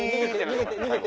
「逃げて！